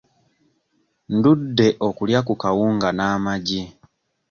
Ndudde okulya ku kawunga n'amagi.